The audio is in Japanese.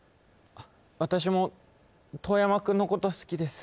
私も遠山くんのこと好きです